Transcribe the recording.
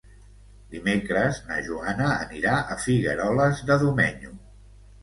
Dimecres na Joana anirà a Figueroles de Domenyo.